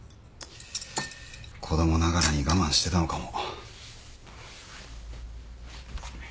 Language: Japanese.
子供ながらに我慢してたのかも。